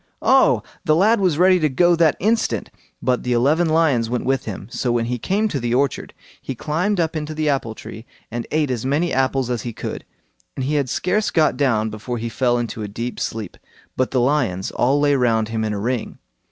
Oh! the lad was ready to go that instant; but the eleven lions went with him. So when he came to the orchard, he climbed up into the apple tree and ate as many apples as he could, and he had scarce got down before he fell into a deep sleep; but the lions all lay round him in a ring.